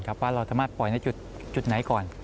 ว่าเราสามารถปล่อยในจุดไหนก่อน